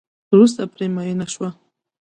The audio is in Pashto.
وروسته پرې میېنه شوه.